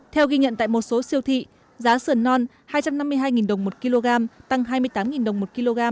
theo ghi nhận tại một số siêu thị giá sườn non hai trăm năm mươi hai đồng một kg tăng hai mươi tám đồng một kg